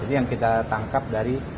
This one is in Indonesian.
itu yang kita tangkap dari